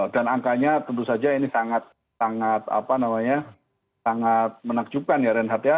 dan angkanya tentu saja ini sangat menakjubkan ya reinhardt ya